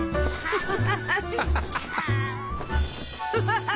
ハハハハ。